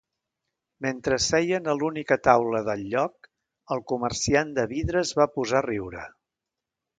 Mentre seien a l'única taula del lloc, el comerciant de vidre es va posar a riure.